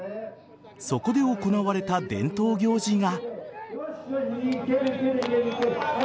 そこで行われた伝統行事が。